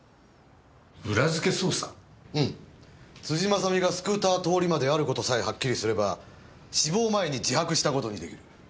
辻正巳がスクーター通り魔である事さえはっきりすれば死亡前に自白した事に出来る。